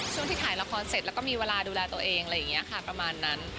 ที่ถ่ายละครเสร็จแล้วก็มีเวลาดูแลตัวเองอะไรอย่างนี้ค่ะประมาณนั้น